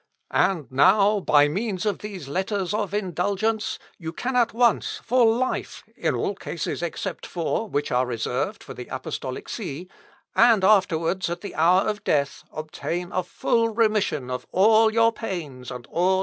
And now, by means of these letters of indulgence, you can at once, for life, in all cases except four, which are reserved to the Apostolic See, and afterwards at the hour of death, obtain a full remission of all your pains and all your sins."